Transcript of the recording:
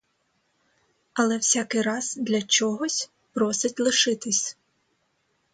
Але всякий раз для чогось просить лишитись.